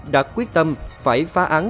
đạt quyết tâm phải phá án